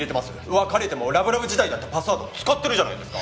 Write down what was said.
別れてもラブラブ時代だったパスワード使ってるじゃないですか。